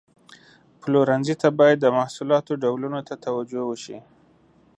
پلورنځي ته باید د محصولاتو ډولونو ته توجه وشي.